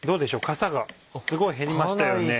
かさがすごい減りましたよね。